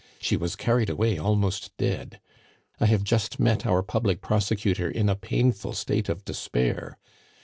She was carried away almost dead. I have just met our public prosecutor in a painful state of despair.